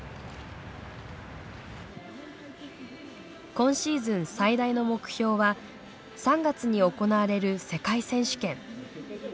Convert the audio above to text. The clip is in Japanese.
今シーズン最大の目標は３月に行われる世界選手権。